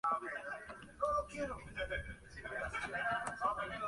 Flores hermafroditas o pistiladas, con brácteas escariosas.